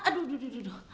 aduh aduh aduh